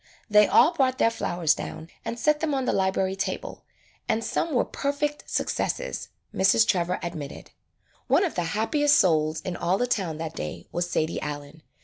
They all brought their flowers down and set them on the library table, and some were per fect successes, Mrs. Trevor admitted. One of the happiest souls in all the town that day was Sadie Allen.